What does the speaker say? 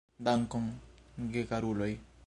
Dankon, gekaruloj.